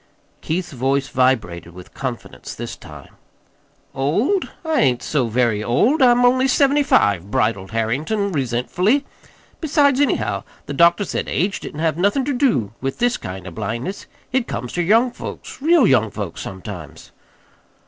Keith's voice vibrated with confidence this time. "Old? I ain't so very old. I'm only seventy five," bridled Harrington resentfully. "Besides anyhow, the doctor said age didn't have nothin' ter do with this kind of blindness. It comes ter young folks, real young folks, sometimes."